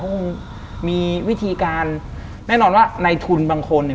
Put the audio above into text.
คงมีวิธีการแน่นอนว่าในทุนบางคนเนี่ย